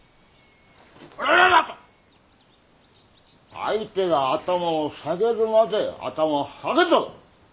相手が頭を下げるまで頭は下げず！